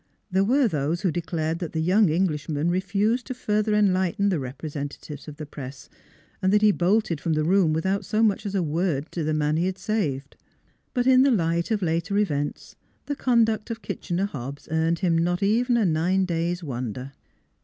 There were those who declared that the young Englishman refused to further enlighten the representatives of the press, and that he bolted from the room without so much as a word to the man he had saved. But in the light of later events, the conduct of Kitchener Hobbs earned him not even a nine days' wonder.